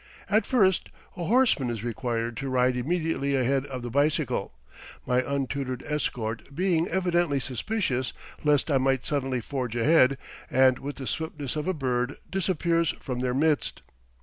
At first a horseman is required to ride immediately ahead of the bicycle, my untutored escort being evidently suspicious lest I might suddenly forge ahead, and with the swiftness of a bird disappear from their midst.